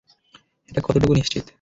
এটা কতটুকু নিশ্চিত?